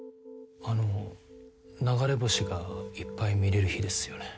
あの流れ星がいっぱい見れる日ですよね。